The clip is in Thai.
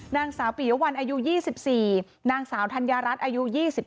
นางสาวปียวัลอายุ๒๔นางสาวธัญญารัฐอายุ๒๙